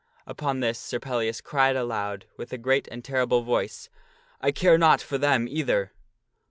" Upon this Sir Pellias cried aloud, with a great and terrible voice, 41 1 care not for them, either."